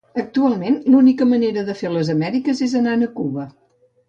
Actualment, l'única manera de fer les Amèriques és anant a Cuba.